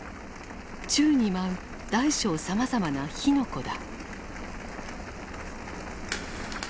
宙に舞う大小さまざまな火の粉だ。